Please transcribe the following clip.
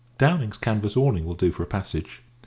Downing's canvas awning will do for a passage.